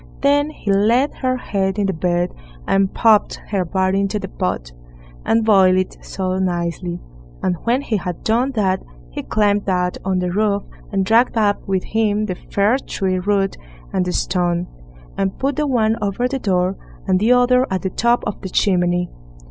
Then he laid her head in the bed, and popped her body into the pot, and boiled it so nicely; and when he had done that, he climbed up on the roof, and dragged up with him the fir tree root and the stone, and put the one over the door, and the other at the top of the chimney.